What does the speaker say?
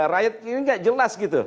rakyat ini nggak jelas gitu